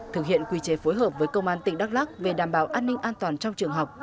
thực hiện quy chế phối hợp với công an tỉnh đắk lắc về đảm bảo an ninh an toàn trong trường học